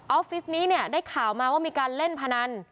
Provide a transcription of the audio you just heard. ออฟฟิศนี้ได้ข่าวมาว่ามีการเล่นพนัน